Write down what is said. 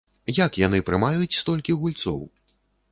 Як яны прымаюць столькі гульцоў?